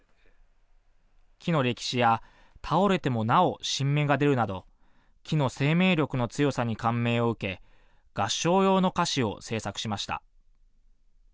木の歴史や倒れてもなお新芽が出るなど木の生命力の強さに感銘を受け合唱用の歌詞を制作しました。